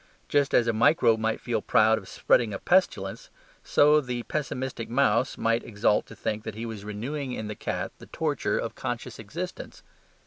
Just as a microbe might feel proud of spreading a pestilence, so the pessimistic mouse might exult to think that he was renewing in the cat the torture of conscious existence.